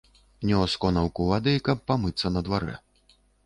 Нёс конаўку вады, каб памыцца на дварэ.